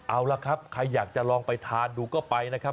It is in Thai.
เอาล่ะครับใครอยากจะลองไปทานดูก็ไปนะครับ